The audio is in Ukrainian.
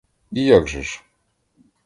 І як же ж?